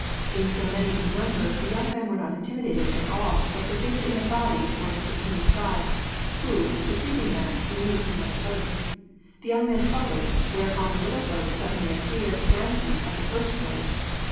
Being so many in number, the young men were not intimidated at all, but proceeded in a body towards the puny tribe, who, perceiving them, removed to another place. The young men followed, whereupon the little folks suddenly appeared dancing at the first place.